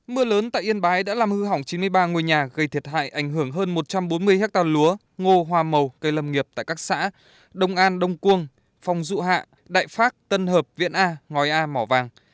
mưa lớn tại yên bái đã làm hư hỏng chín mươi ba ngôi nhà gây thiệt hại ảnh hưởng hơn một trăm bốn mươi hectare lúa ngô hoa màu cây lâm nghiệp tại các xã đông an đông quương phong dụ hạ đại pháp tân hợp viện a ngói a mỏ vàng